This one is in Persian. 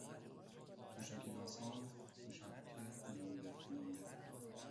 تشک ناصاف، تشک قلمبه قلمبه